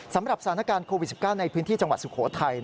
สำหรับสถานการณ์โควิด๑๙ในพื้นที่จังหวัดสุโขทัย